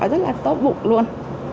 rất là tốt bụng luôn